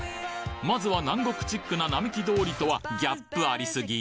まずは南国チックな並木通りとはギャップありすぎ。